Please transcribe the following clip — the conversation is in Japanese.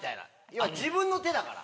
要は自分の手だから。